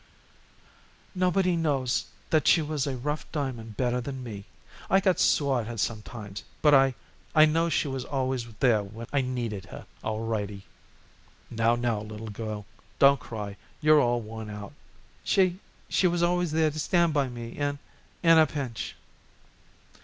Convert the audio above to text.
"Nobody knows that she was a rough diamond better than me. I got sore at her sometimes, but I I know she was always there when I I needed her, alrighty." "Now, now, little girl, don't cry! You're all worn out." "She she was always there to stand by me in in a pinch."